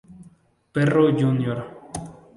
Perro Jr.